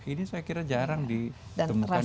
ini saya kira jarang ditemukan di tempat lain